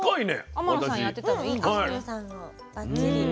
天野さんやってたのいいんですね。